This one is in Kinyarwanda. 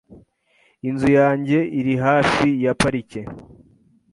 Inzu yanjye iri hafi ya parike .